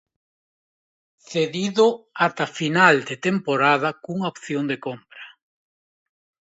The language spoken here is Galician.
Cedido ata final de temporada cunha opción de compra.